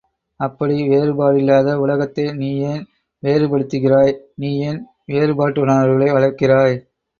அப்படி வேறுபாடில்லாத, உலகத்தை நீ ஏன் வேறுபடுத்துகிறாய்? நீ ஏன் வேறு பாட்டுணர்வுகளை வளர்க்கிறாய்?